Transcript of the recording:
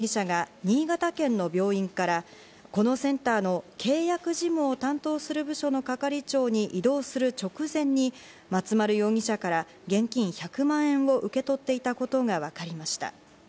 その後の捜査関係者への取材で笠井容疑者が新潟県の病院から、このセンターの契約事務を担当する部署の係長に異動する直前に、松丸容疑者から現金１００万円を受け取っていたことが分かりました。